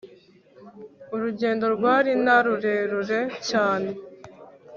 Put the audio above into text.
urugendo rwari narurerure cyane